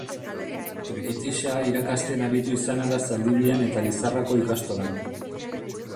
Trikitixa irakasten aritu izana da Zaldibian eta Lizarrako ikastolan.